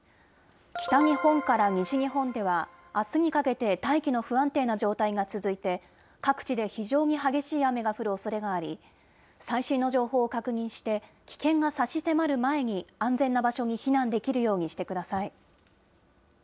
北日本から西日本では、あすにかけて大気の不安定な状態が続いて、各地で非常に激しい雨が降るおそれがあり、最新の情報を確認して、危険が差し迫る前に、安全な場所に避難できるようにしてください。